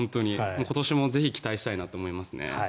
今年もぜひ期待したいと思いますね。